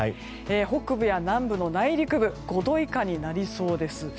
北部や南部の内陸部５度以下になりそうです。